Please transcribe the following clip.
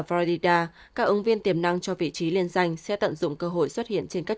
florida các ứng viên tiềm năng cho vị trí liên danh sẽ tận dụng cơ hội xuất hiện trên các